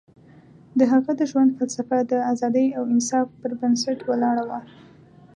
د هغه د ژوند فلسفه د ازادۍ او انصاف پر بنسټ ولاړه وه.